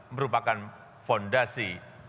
merupakan fondasi untuk berubah